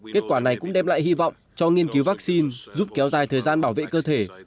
kết quả này cũng đem lại hy vọng cho nghiên cứu vaccine giúp kéo dài thời gian bảo vệ cơ thể